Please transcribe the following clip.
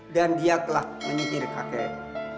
dan dia telah menyihir kakek